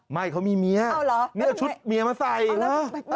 ไม่เขามีเมียเนื้อชุดเมียมาใส่เอาละเออ